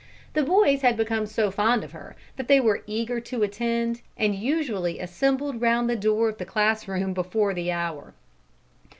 The boys had become so fond of her that they were eager to attend, and usually assembled round the door of the class room before the hour.